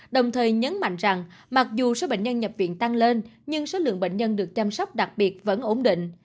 đồng thời nhấn mạnh rằng mặc dù số bệnh nhân nhập viện tăng lên nhưng số lượng bệnh nhân được chăm sóc đặc biệt vẫn ổn định